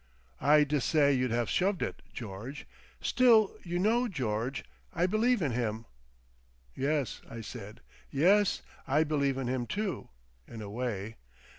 "I dessay you'd have shoved it, George. Still you know, George.... I believe in him." "Yes," I said. "Yes, I believe in him, too. In a way.